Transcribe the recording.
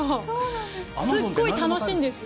すごい楽しいんですよ。